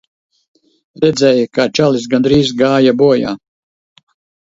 Redzēji, kā čalis gandrīz gāja bojā.